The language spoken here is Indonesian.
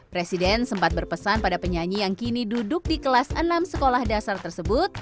presiden sempat berpesan pada penyanyi yang kini duduk di kelas enam sekolah dasar tersebut